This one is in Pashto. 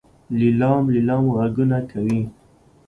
لیلام لیلام غږونه کوي.